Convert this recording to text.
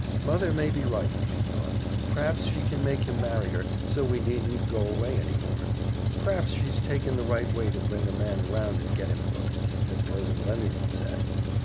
"Mother may be right," she thought. "P'raps she can make him marry her, so we needn't go away any more. P'raps she's taken the right way to bring a man around and get him hooked, as Cousin Lemuel said.